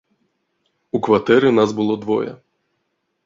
У кватэры нас было двое.